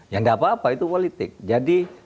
ya nggak apa apa itu politik jadi